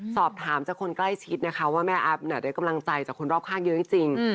สอบถามจากคนใกล้ชิดนะคะว่าแม่อัพได้กำลังใจจากคนรอบข้างเยอะจริง